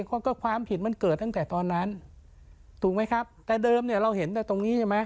ก็ความผิดมันเกิดตั้งแต่ตอนนั้นถูกไหมครับแต่เดิมเนี่ยเราเห็นแต่ตรงนี้ใช่ไหม